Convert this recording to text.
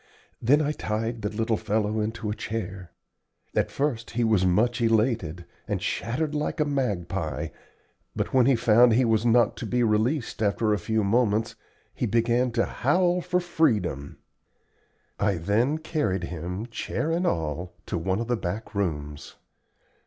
Then I tied the little fellow into a chair. At first he was much elated, and chattered like a magpie, but when he found he was not to be released after a few moments he began to howl for freedom. I then carried him, chair and all, to one of the back rooms.